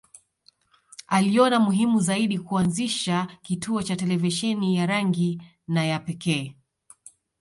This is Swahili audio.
Aliona muhimu zaidi kuanzisha kituo cha televisheni ya rangi na ya pekee